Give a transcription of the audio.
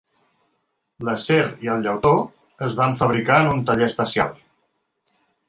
L"acer i el llautó es van fabricar en un taller especial.